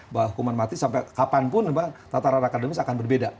bahwa hukuman mati sampai kapanpun tataran akademis akan berbeda